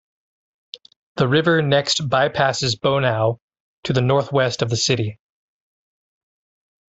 The river next bypasses Bonao to the northwest of the city.